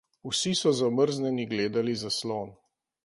Vsi so zamrznjeni gledali zaslon.